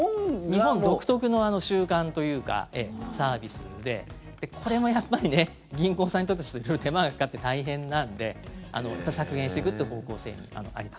日本独特の習慣というかサービスでこれもやっぱり銀行さんにとって色々、手間がかかって大変なんで削減していくという方向性にあります。